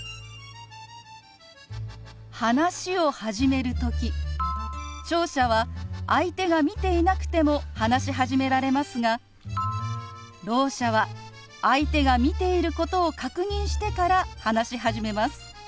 話を始める時聴者は相手が見ていなくても話し始められますがろう者は相手が見ていることを確認してから話し始めます。